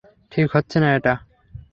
ঠিক হচ্ছে না এটা।